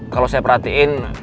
kalau saya perhatiin